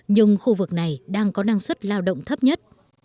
nhưng khu vực này đang có năng suất lao động thấp nhất